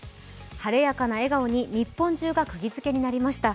晴れやかな笑顔に日本中がくぎづけになりました。